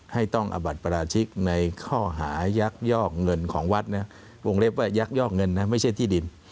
ต้องอบัติปราชิกในข้อหายักยอกเงินของวัดนะวงเล็บว่ายักยอกเงินนะไม่ใช่ที่ดิน